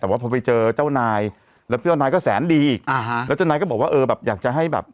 แต่ว่าพอไปเจอเจ้านายแล้วพี่เจ้านายก็แสนดีอีกอ่าฮะแล้วเจ้านายก็บอกว่าเออแบบอยากจะให้แบบ